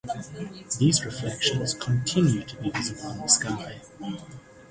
These reflections continue to be visible in the sky.